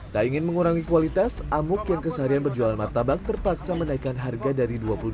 tak ingin mengurangi kualitas amuk yang kesaharian berjualan martabak terpaksa menaikkan harga dari